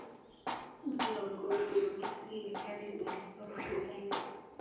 Uti wa mgongo wa Misri ya Kale ulikuwa mto Naili.